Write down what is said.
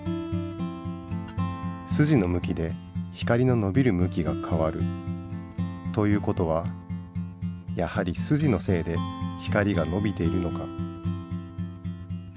「スジの向きで光ののびる向きが変わる」という事はやはりスジのせいで光がのびているのか？